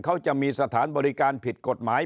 เขาจะมีสถานบริการผิดกฎหมาย